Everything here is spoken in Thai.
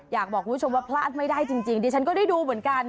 อยากบอกคุณผู้ชมว่าพลาดไม่ได้จริงดิฉันก็ได้ดูเหมือนกัน